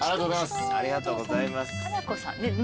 ありがとうございます。